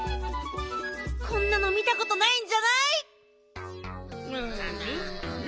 こんなの見たことないんじゃない？